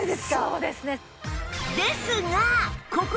そうですね！